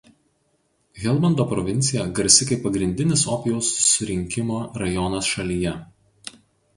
Helmando provincija garsi kaip pagrindinis opijaus surinkimo rajonas šalyje.